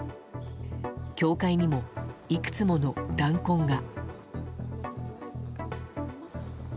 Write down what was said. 教会にも、いくつもの弾痕が。